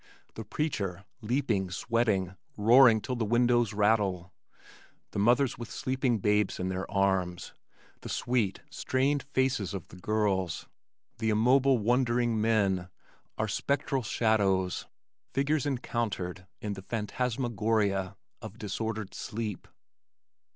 The preacher, leaping, sweating, roaring till the windows rattle, the mothers with sleeping babes in their arms, the sweet, strained faces of the girls, the immobile wondering men, are spectral shadows, figures encountered in the phantasmagoria of disordered sleep.